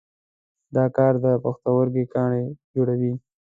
دا کار د پښتورګي کاڼي جوړوي.